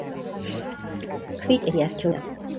ქვიტირი არქეოლოგიურად შეუსწავლელია.